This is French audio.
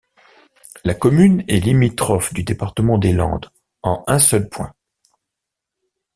La commune est limitrophe du département des Landes en un seul point.